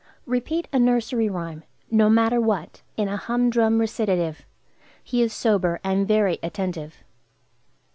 Repeat a nursery rhyme, no matter what, in a humdrum recitative; he is sober, and very attentive.